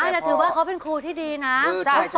แต่ถือว่าเขาเป็นครูที่ดีนะ